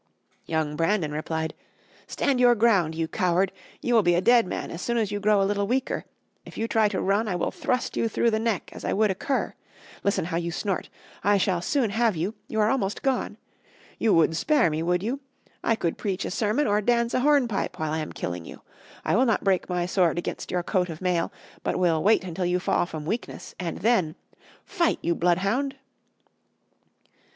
Young Brandon replied: "Stand your ground, you coward; you will be a dead man as soon as you grow a little weaker; if you try to run I will thrust you through the neck as I would a cur. Listen how you snort. I shall soon have you; you are almost gone. You would spare me, would you? I could preach a sermon or dance a hornpipe while I am killing you. I will not break my sword against your coat of mail, but will wait until you fall from weakness and then.... Fight, you bloodhound!"